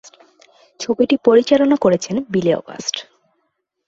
ছবিটি পরিচালনা করেছেন বিলি অগাস্ট।